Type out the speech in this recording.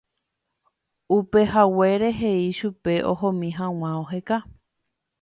upehaguére he'i chupe ohomi hag̃ua oheka.